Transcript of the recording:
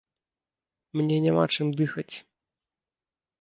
Мне няма чым дыхаць.